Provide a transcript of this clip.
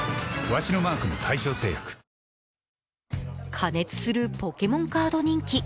過熱するポケモンカード人気。